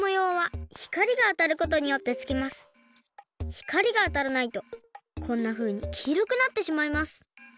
ひかりがあたらないとこんなふうにきいろくなってしまいます。